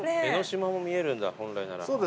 江の島も見えるんだ本来なら。